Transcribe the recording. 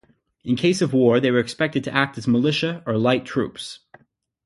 In case of war, they were expected to act as militia or light troops.